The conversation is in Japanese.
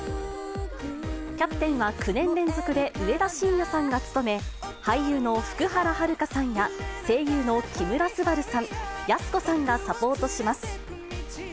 キャプテンは９年連続で上田晋也さんが務め、俳優の福原遥さんや、声優の木村昴さん、やす子さんがサポートします。